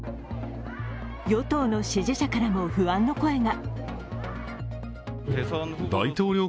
与党の支持者からも不安の声が。